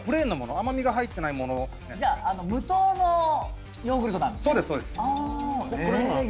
甘みが入ってないものじゃあ無糖のヨーグルトなんですね